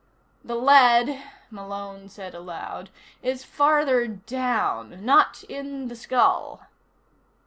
"The lead," Malone said aloud, "is farther down. Not in the skull."